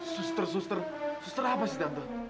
suster suster suster apa sih tante